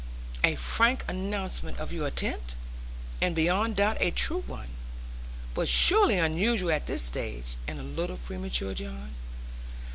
'A frank announcement of your intent, and beyond doubt a true one; but surely unusual at this stage, and a little premature, John.